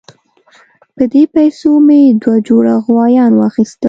په دې پیسو مې دوه جوړه غویان واخیستل.